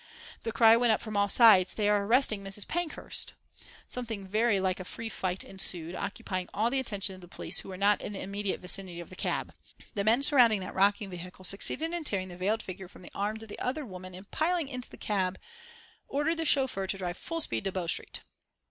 The cry went up from all sides: "They are arresting Mrs. Pankhurst!" Something very like a free fight ensued, occupying all the attention of the police who were not in the immediate vicinity of the cab. The men surrounding that rocking vehicle succeeded in tearing the veiled figure from the arms of the other women and piling into the cab ordered the chauffeur to drive full speed to Bow Street.